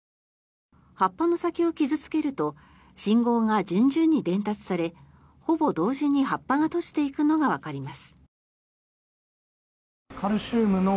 葉っぱの先を傷付けると信号が順々に伝達されほぼ同時に葉っぱが閉じていくのがわかります。